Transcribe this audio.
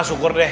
ah syukur deh